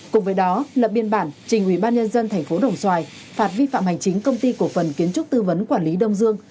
cùng với đó lập biên bản trình ủy ban nhân dân thành phố đồng xoài phạt vi phạm hành chính công ty cổ phần kiến trúc tư vấn quản lý đông dương